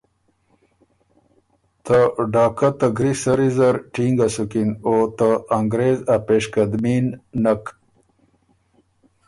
ته ډاکه ته ګری سری زر ټینګه سُکِن او ته انګرېز ا پېشقدمي ن نک۔